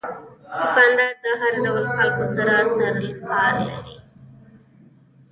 دوکاندار د هر ډول خلکو سره سروکار لري.